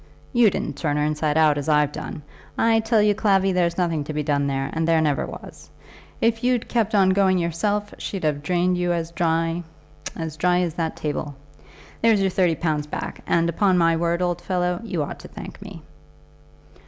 "You didn't turn her inside out as I've done. I tell you, Clavvy, there's nothing to be done there, and there never was. If you'd kept on going yourself she'd have drained you as dry, as dry as that table. There's your thirty pounds back, and, upon my word, old fellow, you ought to thank me."